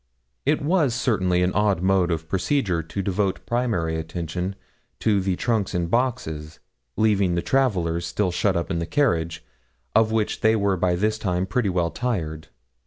It was certainly an odd mode of procedure to devote primary attention to the trunks and boxes, leaving the travellers still shut up in the carriage, of which they were by this time pretty well tired.